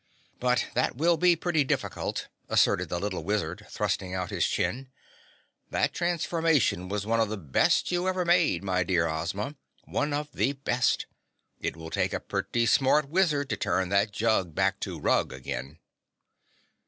But that will be pretty difficult," asserted the little Wizard, thrusting out his chin. "That transformation was one of the best you ever made, my dear Ozma, one of the best. It will take a pretty smart wizard to turn that jug back to Rug again."